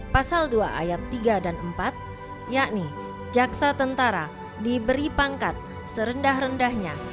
pasal dua ayat tiga dan empat yakni jaksa tentara diberi pangkat serendah rendahnya